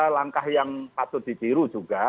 langkah yang patut ditiru juga